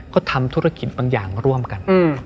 ก็ทำธุรกิจบางอย่างร่วมกัน